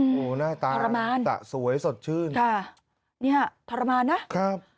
โอ้โฮหน้าตาสวยสดชื่นนะฮะทรมานนะฮะทรมาน